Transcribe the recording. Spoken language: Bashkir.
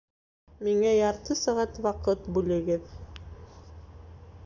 Миңә ярты сәғәт ваҡыт бүлегеҙ.